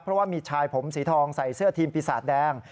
เพราะว่ามีชายผมสีทองใส่เสื้อทีมปีศาจแดง